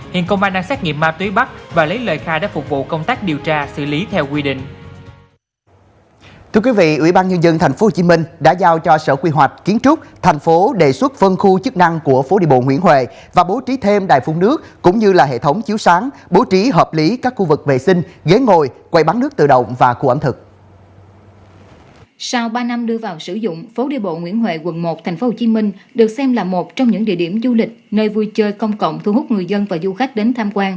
hiện công an đang xác nghiệm ma túy bắc và lấy lời khai đã phục vụ công tác điều tra xử lý theo quy định